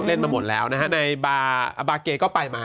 เล่นมาหมดแล้วนะฮะในบาร์บาเกก็ไปมา